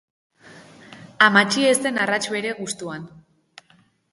Amatxi ez zen arras bere gustuan.